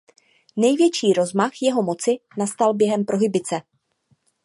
Největší rozmach jeho moci nastal během prohibice.